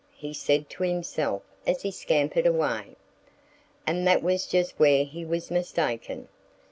he said to himself as he scampered away. And that was just where he was mistaken.